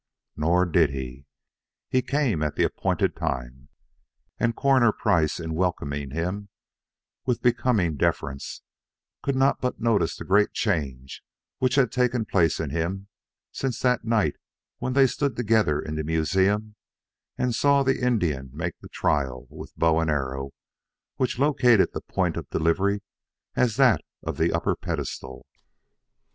Nor did he. He came at the time appointed, and Coroner Price in welcoming him with becoming deference could not but notice the great change which had taken place in him since that night they stood together in the museum and saw the Indian make the trial with bow and arrow which located the point of delivery as that of the upper pedestal.